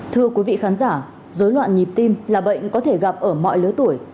thưa quý vị khán giả dối loạn nhịp tim là bệnh có thể gặp ở mọi lứa tuổi